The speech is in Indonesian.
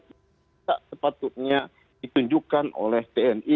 tidak sepatutnya ditunjukkan oleh tni